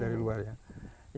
ini impor ya konfliknya